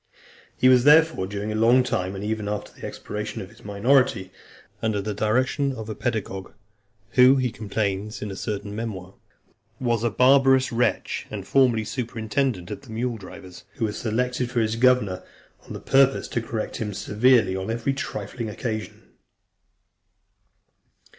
He was, therefore, during a long time, and even after the expiration of his minority, under the direction of a pedagogue, who, he complains in a certain memoir, "was a barbarous wretch, and formerly superintendent of the mule drivers, who was selected for his governor, on purpose to correct him severely on every trifling occasion."